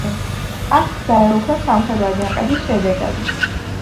ტახტს დაეუფლა სამხედრო აჯანყების შედეგად.